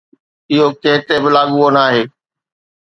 اهو ڪنهن تي به لاڳو ناهي.